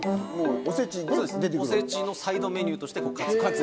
おせちのサイドメニューとして。